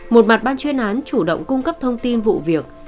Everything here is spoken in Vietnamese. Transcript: một mặt ban chuyên án chủ động cung cấp thông tin vụ việc